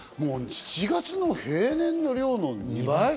７月の平年の量の２倍？